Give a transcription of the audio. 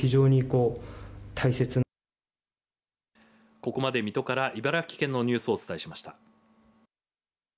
ここまで水戸から茨城県のニュースをお伝えしました。